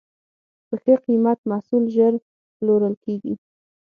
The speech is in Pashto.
په ښه قیمت محصول ژر پلورل کېږي.